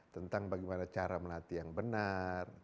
tentang bagaimana cara melatih yang benar